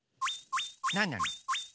なんなの？